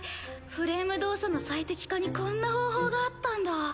フレーム動作の最適化にこんな方法があったんだ。